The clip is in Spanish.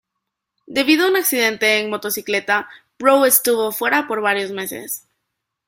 Debido a un accidente en motocicleta, Rowe estuvo fuera por varios meses.